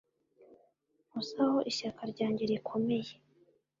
Mpozaho ishyaka ryanjye rikomeye